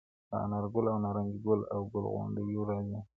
د انارګل او نارنج ګل او ګل غونډیو راځي-